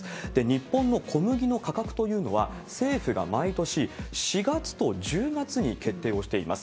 日本の小麦の価格というのは、政府が毎年４月と１０月に決定をしています。